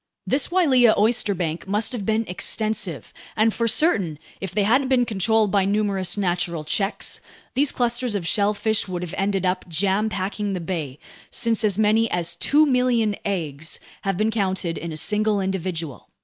This Wailea oysterbank must have been extensive, and for certain, if they hadn't been controlled by numerous natural checks, these clusters of shellfish would have ended up jam packing the bay, since as many as 2,000,000 eggs have been counted in a single individual.